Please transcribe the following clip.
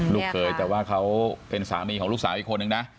ลูกเคยแต่ว่าเขาเป็นสามีของลูกสาวอีกคนนึงนะ